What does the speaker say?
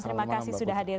terima kasih sudah hadir